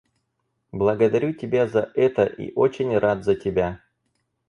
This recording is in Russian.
Благодарю тебя за это и очень рад за тебя.